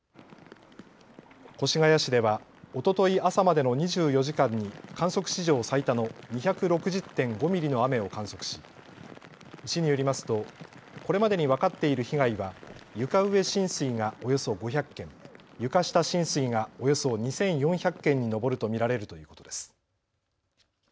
越谷市では、おととい朝までの２４時間に観測史上最多の２６０．５ミリの雨を観測し市によりますとこれまでに分かっている被害は床上浸水がおよそ５００件、床下浸水がおよそ２４００件に上ると見られるということです。